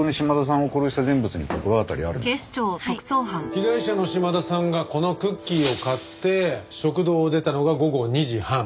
被害者の島田さんがこのクッキーを買って食堂を出たのが午後２時半。